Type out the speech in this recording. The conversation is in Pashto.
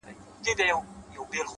پر كومه تگ پيل كړم!!